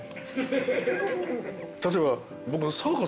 例えば僕。